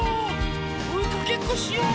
おいかけっこしよう。